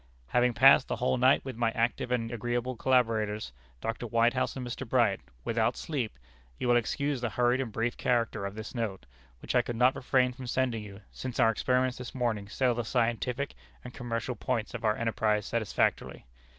"Having passed the whole night with my active and agreeable collaborators, Dr. Whitehouse and Mr. Bright, without sleep, you will excuse the hurried and brief character of this note, which I could not refrain from sending you, since our experiments this morning settle the scientific and commercial points of our enterprise satisfactorily.